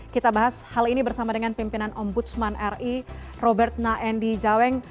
kita bahas hal ini bersama dengan pimpinan ombudsman ri robert naendi jaweng